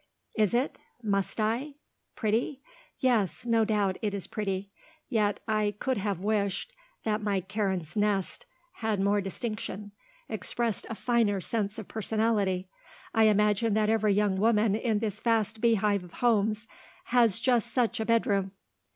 "Is it? Must I? Pretty? Yes, no doubt it is pretty. Yet I could have wished that my Karen's nest had more distinction, expressed a finer sense of personality. I imagine that every young woman in this vast beehive of homes has just such a bedroom."